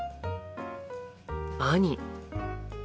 兄。